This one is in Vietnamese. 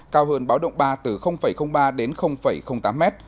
cao hơn báo động ba từ ba đến tám m